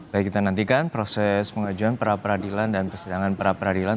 baik kita nantikan proses pengajuan para peradilan dan kesadangan para peradilan